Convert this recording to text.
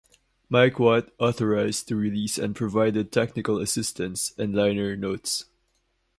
Mike Watt authorized the release and provided technical assistance and liner notes.